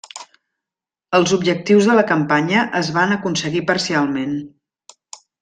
Els objectius de la campanya es van aconseguir parcialment.